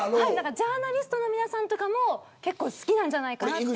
ジャーナリストの皆さんも結構、好きなんじゃないかなと。